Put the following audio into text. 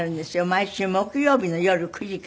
毎週木曜日の夜９時から。